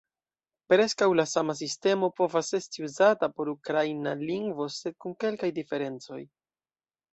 Preskaŭ la sama sistemo povas esti uzata por ukraina lingvo, sed kun kelkaj diferencoj.